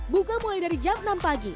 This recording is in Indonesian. buka mulai dari jam enam pagi